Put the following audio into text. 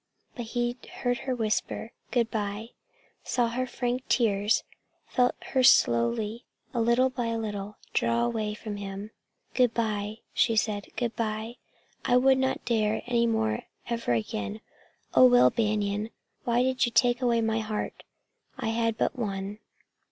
But he heard her whisper "Good by," saw her frank tears, felt her slowly, a little by a little, draw away from him. "Good by," she said. "Good by. I would not dare, any more, ever again. Oh, Will Banion, why did you take away my heart? I had but one!"